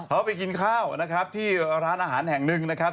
เขาไปกินข้าวนะครับที่ร้านอาหารแห่งหนึ่งนะครับ